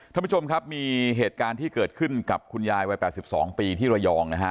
ท่านผู้ชมครับมีเหตุการณ์ที่เกิดขึ้นกับคุณยายวัย๘๒ปีที่ระยองนะฮะ